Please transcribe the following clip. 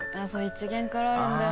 １限からあるんだよね。